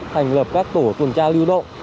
thành lập các tổ tuần tra lưu động